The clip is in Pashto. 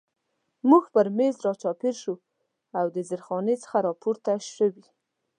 موږ پر مېز را چاپېر شو او د زیرخانې څخه را پورته شوي.